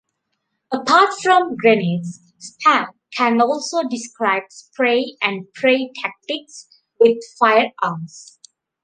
Apart from grenades, "spam" can also describe spray and pray tactics with firearms.